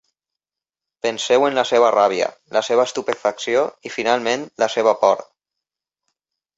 Penseu en la seva ràbia, la seva estupefacció i, finalment, la seva por!